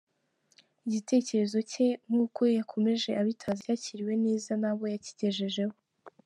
Igitekerezo cye nk’uko yakomeje abitangaza cyakiriwe neza n’abo yakigejejeho.